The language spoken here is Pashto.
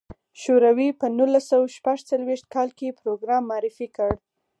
شوروي په نولس سوه شپږ څلوېښت کال کې پروګرام معرفي کړ.